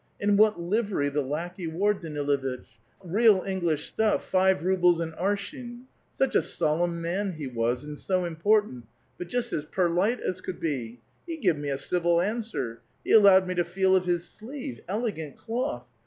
'* And what livery the lackey wore, Daniluitch ! Real English stuff, live rubles an arshin ; such a solemn man he was, and so important, but just as perlite as could be ; he give me a civil answer ; he allowed me to feel of his sleeve ; elegant cloth.